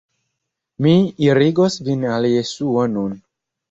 "Mi irigos vin al Jesuo nun."